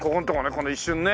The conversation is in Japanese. この一瞬ね。